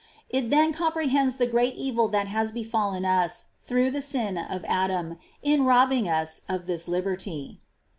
It then com prehends the great evil that has befallen us through the sin of Adam in robbing us of this liberty.